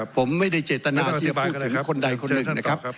ผมไม่ได้เจตนาที่จะพูดถึงคนใดคนหนึ่งนะครับ